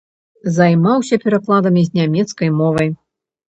Займаўся перакладамі з нямецкай мовы.